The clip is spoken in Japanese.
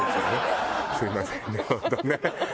すみませんね